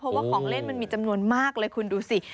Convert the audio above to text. เพราะว่าของเล่นมันมีจำนวนมากเลยคุณดูสิ